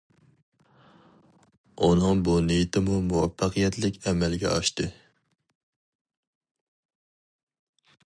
ئۇنىڭ بۇ نىيىتىمۇ مۇۋەپپەقىيەتلىك ئەمەلگە ئاشتى.